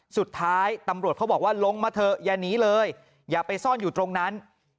สุดท้ายตำรวจเขาบอกว่าลงมาเถอะอย่าหนีเลยอย่าไปซ่อนอยู่ตรงนั้น